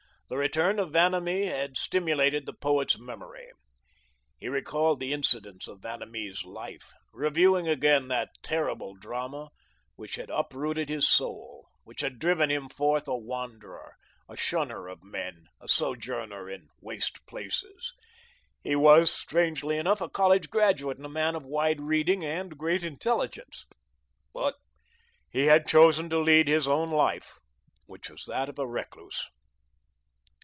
The return of Vanamee had stimulated the poet's memory. He recalled the incidents of Vanamee's life, reviewing again that terrible drama which had uprooted his soul, which had driven him forth a wanderer, a shunner of men, a sojourner in waste places. He was, strangely enough, a college graduate and a man of wide reading and great intelligence, but he had chosen to lead his own life, which was that of a recluse.